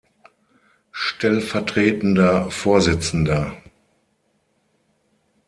Stellvertretender Vorsitzender.